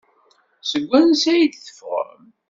Seg wansi ay d-teffɣem?